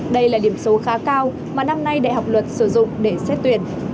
đây là điểm số khá cao mà năm nay đại học luật sử dụng để xét tuyển